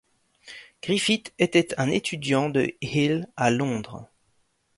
Griffith était un étudiant de Hill à Londres.